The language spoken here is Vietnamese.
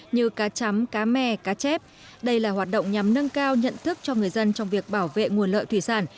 như cá chấm cá me cá chép đây là hoạt động nhằm nâng cao nhận thức cho người dân trong việc bảo vệ nguồn lợi thủy sản